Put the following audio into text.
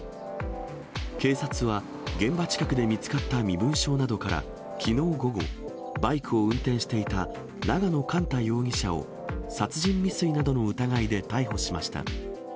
警察は、現場近くで見つかった身分証などからきのう午後、バイクを運転していた永野莞太容疑者を、殺人未遂などの疑いで逮捕しました。